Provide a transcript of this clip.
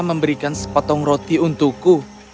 memberikan sepotong roti untukku